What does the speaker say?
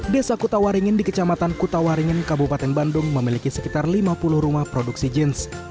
desa kutawaringin di kecamatan kutawaringin kabupaten bandung memiliki sekitar lima puluh rumah produksi jeans